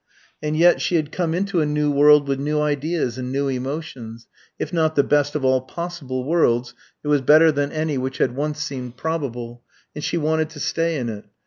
And yet, she had come into a new world with new ideas and new emotions; if not the best of all possible worlds, it was better than any which had once seemed probable, and she wanted to stay in it.